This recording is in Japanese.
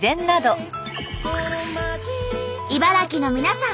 茨城の皆さん